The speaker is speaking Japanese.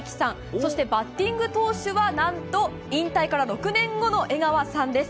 そしてバッティング投手は何と引退から６年後の江川さんです。